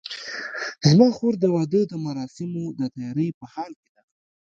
زما خور د واده د مراسمو د تیارۍ په حال کې ده